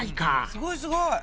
すごいすごい。